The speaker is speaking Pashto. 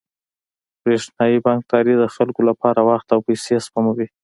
برېښنايي بانکداري د خلکو لپاره وخت او پیسې سپموي.